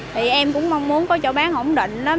thì em cũng mong muốn có chỗ bán ổn định